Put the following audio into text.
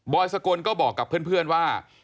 สกลก็บอกกับเพื่อนว่า